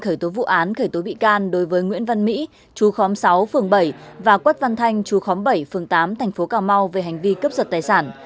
khởi tố vụ án khởi tố bị can đối với nguyễn văn mỹ chú khóm sáu phường bảy và quách văn thanh chú khóm bảy phường tám tp cà mau về hành vi cướp giật tài sản